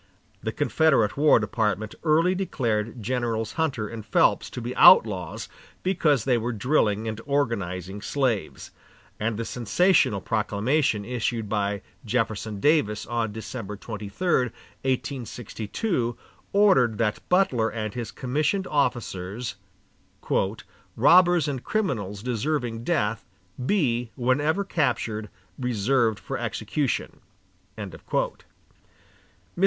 The Confederate War Department early declared Generals Hunter and Phelps to be outlaws, because they were drilling and organizing slaves; and the sensational proclamation issued by Jefferson Davis on December 23, 1862, ordered that Butler and his commissioned officers, "robbers and criminals deserving death, ... be, whenever captured, reserved for execution." Mr.